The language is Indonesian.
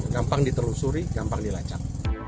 gampang diterusuri gampang dilacak